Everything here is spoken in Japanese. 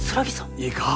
いいか？